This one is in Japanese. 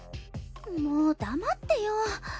もう黙ってよ。